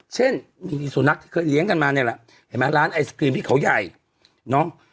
เช่นมีสุนัขที่เคยเลี้ยงกันมาเนี่ยแหละเห็นไหมร้านไอศกรีมที่เขาใหญ่เนอะ